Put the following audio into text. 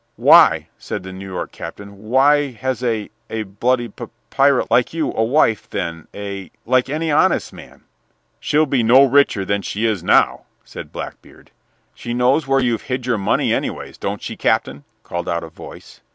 "Why," said the New York captain, "why, has a a bloody p pirate like you a wife then a like any honest man?" "She'll be no richer than she is now," said Blackbeard. "She knows where you've hid your money, anyways. Don't she, Captain?" called out a voice.